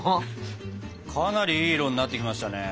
かなりいい色になってきましたね。